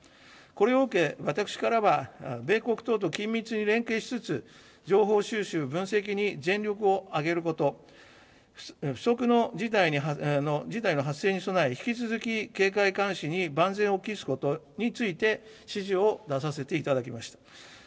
これを受け、私からは米国等と緊密に連携しつつ、情報収集・分析に全力を挙げること、不測の事態の発生に備え、引き続き警戒監視に万全を期すことについて指示を出させていただきました。